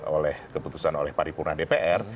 oleh keputusan oleh paripurna dpr